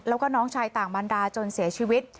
แล้วก็น้องชายต่างบรรดาจนเสียชีวิต